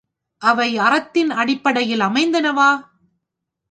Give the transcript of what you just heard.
அவை அறத்தின் அடிப்படையில் அமைந்தனவா?